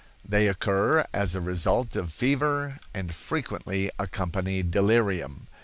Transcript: They occur as a result of fever and frequently accompany delirium.